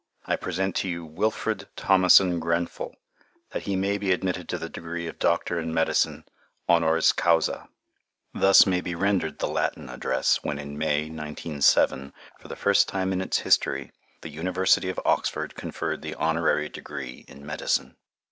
I present to you Wilfred Thomason Grenfell, that he may be admitted to the degree of Doctor in Medicine, HONORIS CAUSA." Thus may be rendered the Latin address when, in May, 1907, for the first time in its history, the University of Oxford conferred the honorary degree in medicine.